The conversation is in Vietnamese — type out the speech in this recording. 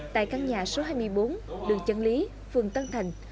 tại căn nhà số hai mươi bốn đường chân lý phường tân thành